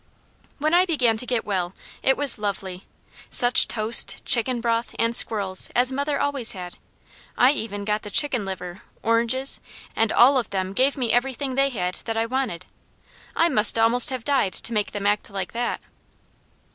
When I began to get well it was lovely. Such toast, chicken broth, and squirrels, as mother always had. I even got the chicken liver, oranges, and all of them gave me everything they had that I wanted I must almost have died to make them act like that!